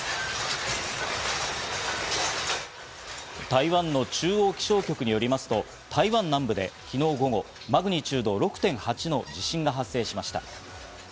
台湾の中央気象局によりますと、台湾南部で昨日午後、マグニチュード６．８の地震が発生しました。